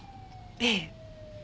ええ。